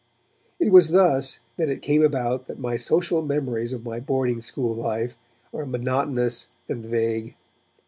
It was thus that it came about that my social memories of my boarding school life are monotonous and vague.